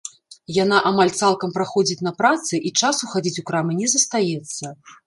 Яна амаль цалкам праходзіць на працы, і часу хадзіць у крамы не застаецца.